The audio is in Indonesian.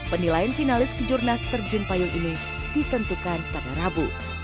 penilaian finalis kejurnas terjun payung ini ditentukan pada rabu